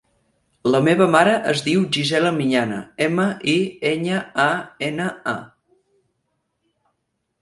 La meva mare es diu Gisela Miñana: ema, i, enya, a, ena, a.